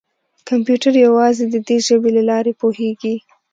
کمپیوټر یوازې د دې ژبې له لارې پوهېږي.